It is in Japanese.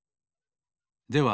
では